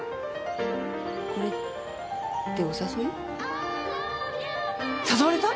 これってお誘い？誘われた？